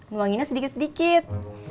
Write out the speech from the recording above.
luanginnya sedikit sedikit